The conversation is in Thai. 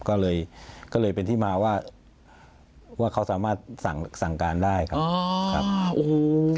ก็เลยเป็นที่มาว่าเขาสามารถสั่งการได้ครับ